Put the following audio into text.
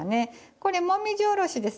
これもみじおろしです。